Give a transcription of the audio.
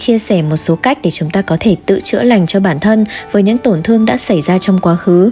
chia sẻ một số cách để chúng ta có thể tự chữa lành cho bản thân với những tổn thương đã xảy ra trong quá khứ